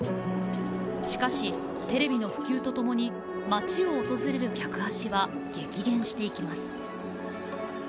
しかし、テレビの普及とともに街を訪れる客足は激減していきます。